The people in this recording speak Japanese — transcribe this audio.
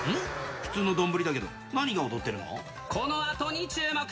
普通の丼だけど、何が踊このあとに注目。